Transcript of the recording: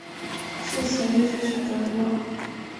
是潜意识选择遗忘